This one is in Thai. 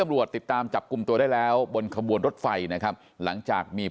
รุ่นดี